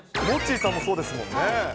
モッチーさんもそうですもんね。